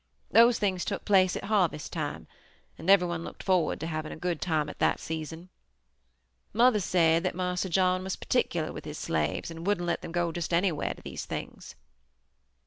Those things took place at harvest time, and everyone looked forward to having a good time at that season. Mother said that Marse John was particular with his slaves, and wouldn't let them go just anywhere to these things.